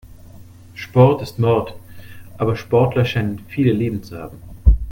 Sport ist Mord, aber Sportler scheinen viele Leben zu haben.